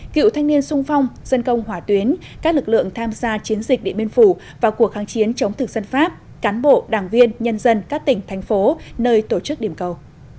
cựu thanh niên sung phong dân công hỏa tuyến các lực lượng tham gia chiến dịch điện biên phủ và cuộc kháng chiến chống thực dân pháp cán bộ đảng viên nhân dân các tỉnh thành phố nơi tổ chức điểm cầu